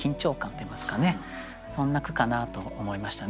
そんな句かなと思いましたね。